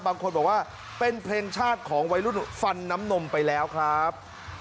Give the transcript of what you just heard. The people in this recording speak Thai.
บางคนบอกว่าเป็นเพลงชาติของวัยรุ่นฟันน้ำนมไปแล้วครับ